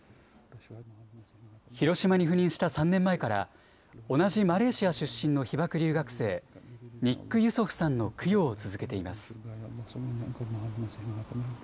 広島に赴任した３年前から、同じマレーシア出身の被爆留学生、ニック・ユソフさんの供養を続けています。